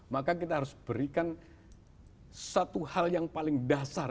maka kita harus berikan satu hal yang paling dasar